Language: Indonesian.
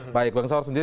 baik bang saur